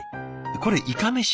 これいかめし？